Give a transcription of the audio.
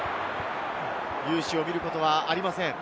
勇姿を見ることはありません。